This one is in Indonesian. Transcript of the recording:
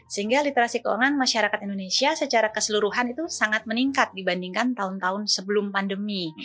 sehingga literasi keuangan masyarakat indonesia secara keseluruhan itu sangat meningkat dibandingkan tahun tahun sebelum pandemi